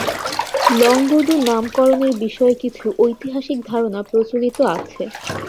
লংগদু নামকরণের বিষয়ে কিছু ঐতিহাসিক ধারণা প্রচলিত আছে।